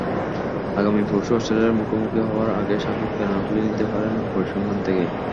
আগামী পরশু অস্ট্রেলিয়ার মুখোমুখি হওয়ার আগে সাকিব প্রেরণা খুঁজে নিতেই পারেন পরিসংখ্যান থেকে।